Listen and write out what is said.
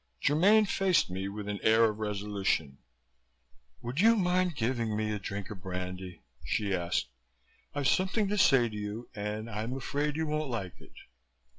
Germaine faced me with an air of resolution. "Would you mind giving me a drink of brandy?" she asked. "I've something to say to you and I'm afraid you won't like it."